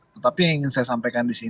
tetapi yang ingin saya sampaikan di sini